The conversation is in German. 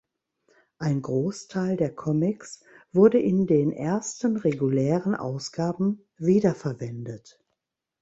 Ein Großteil der Comics wurde in den ersten regulären Ausgaben wiederverwendet.